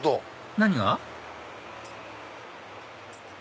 何が？